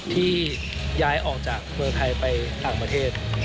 ที่ย้ายออกจากเมืองไทยไปต่างประเทศ